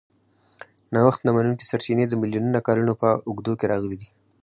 نوښت نه منونکي سرچینې د میلیونونو کالونو په اوږدو کې راغلي دي.